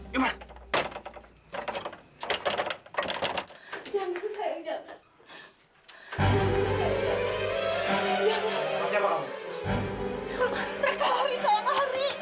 tengah jauh awas kamu